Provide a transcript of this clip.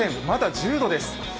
まだ１０度です。